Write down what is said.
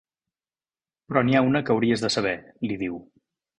Però n'hi ha una que hauries de saber –li diu.